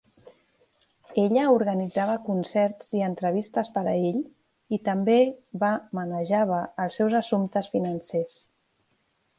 Ella organitzava concerts i entrevistes per a ell, i també va manejava els seus assumptes financers.